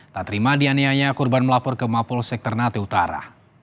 tak terima dianianya kurban melapor ke mapul sek ternate utara